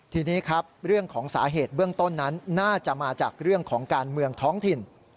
ทีนี้ครับเรื่องของสาเหตุเบื้องต้นนั้นน่าจะมาจากเรื่องของการเมืองท้องถิ่น